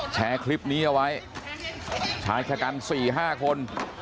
แชร์คลิปนี้เอาไว้ชายชะกัน๔๕คน